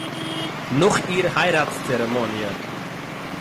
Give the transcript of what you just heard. נאָך איר הייראַטס-צערעמאָניע